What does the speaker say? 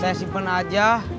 saya simpen aja